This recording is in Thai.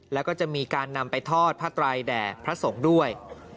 แล้วก็จะมีการนำไปทอดผ้าไตรแด่พระสงฆ์ด้วย